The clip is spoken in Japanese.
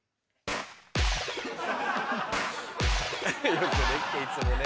よくできてるいつもね。